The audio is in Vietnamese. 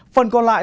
phần còn lại